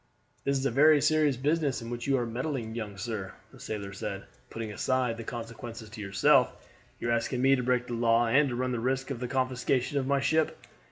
"This is a very serious business in which you are meddling, young sir," the sailor said. "Putting aside the consequences to yourself, you are asking me to break the law and to run the risk of the confiscation of my ship.